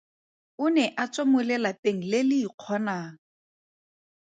O ne a tswa mo lelapeng le le ikgonang.